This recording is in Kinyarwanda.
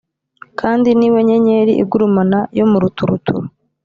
kandi ni We Nyenyeri Igurumana yo mu Ruturuturu